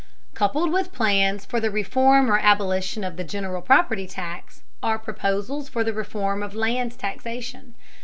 Coupled with plans for the reform or abolition of the general property tax are proposals for the reform of land taxation.